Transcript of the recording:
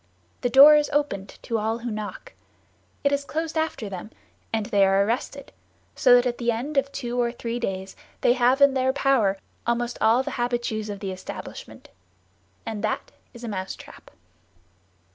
The door is opened to all who knock. It is closed after them, and they are arrested; so that at the end of two or three days they have in their power almost all the habitués of the establishment. And that is a mousetrap.